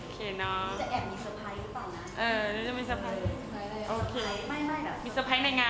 โอเคเนาะ